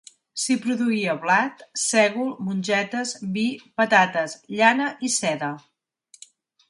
S'hi produïa blat, sègol, mongetes, vi, patates, llana i seda.